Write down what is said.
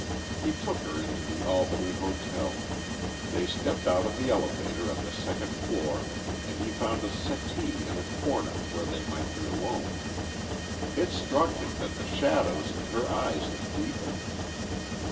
He took her into the Albany Hotel. They stepped out of the elevator at the second floor and he found a settee in a corner where they might be alone. It struck him that the shadows in her eyes had deepened.